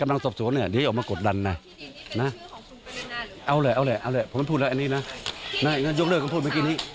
อ้าอย่างนั้นยังล่ะ